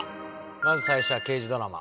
まず最初は刑事ドラマ。